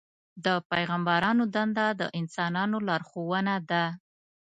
د پیغمبرانو دنده د انسانانو لارښوونه ده.